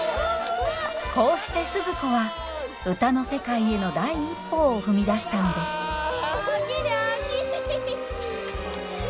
こうして鈴子は歌の世界への第一歩を踏み出したのですおおきにおおきに。